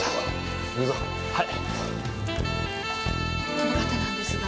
この方なんですが。